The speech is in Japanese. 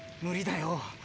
無理だよ。